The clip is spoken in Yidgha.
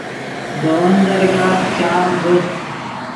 دے ون درگاہ چام دے